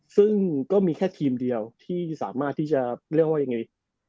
ซึ่งก็มีแค่ทีมเดียวที่สามารถที่จะเรียกว่ายังไง